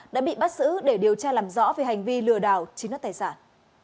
đã bị bắt xử để điều tra làm rõ về hành vi lừa đảo chính đoạt tài sản